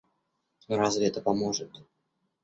Но разве это поможет?